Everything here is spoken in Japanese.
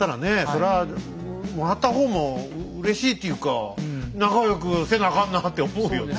そらもらった方もうれしいっていうか仲良くせなあかんなって思うよね